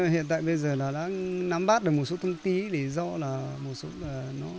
hiện tại bây giờ là đang nắm bắt được một số thông tin